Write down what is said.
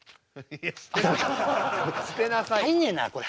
入んねえなこれ。